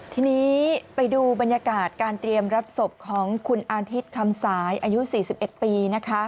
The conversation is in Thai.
ทีนี้ไปดูบรรยากาศการเตรียมรับศพของคุณอาทิตย์คำสายอายุ๔๑ปี